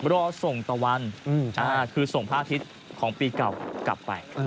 รอส่งตะวันอืมอ่าคือส่งพาทิศของปีเก่ากลับไปอืม